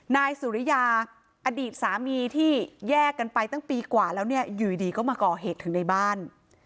นายสุริยาอดีตสามีที่แยกกันไปตั้งปีกว่าแล้วเนี่ยอยู่ดีก็มาก่อเหตุถึงในบ้าน